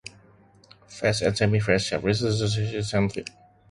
Fast and semi-fast services utilise the main line between Liverpool Street and Shenfield.